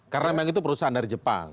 karena memang itu perusahaan dari jepang